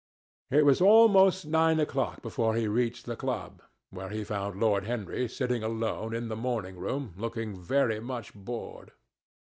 It was almost nine o'clock before he reached the club, where he found Lord Henry sitting alone, in the morning room, looking very much bored.